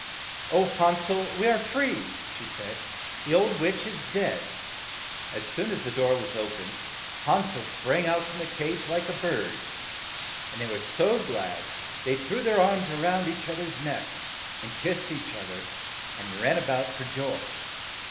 "O, Han sel ! we are free, '' she said, "the old witch is dead." As soon as the door was o pened, Han sel sprang out from the cage like a bird, and they were so glad that they threw their arms round each other's neck, and kissed each other, and ran a bout for joy.